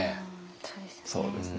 そうですね。